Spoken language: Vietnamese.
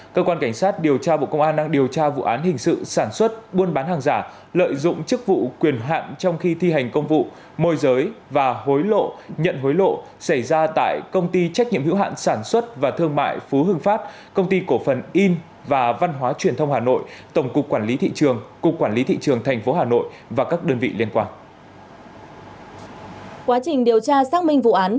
cơ quan cảnh sát điều tra bộ công an đang điều tra vụ án hình sự sản xuất buôn bán hàng giả lợi dụng chức vụ quyền hạn trong khi thi hành công vụ môi giới và hối lộ nhận hối lộ xảy ra tại công ty trách nhiệm hữu hạn sản xuất và thương mại phú hương pháp công ty cổ phần yn và văn hóa truyền thông hà nội tổng cục quản lý thị trường cục quản lý thị trường tp hà nội và các đơn vị liên quan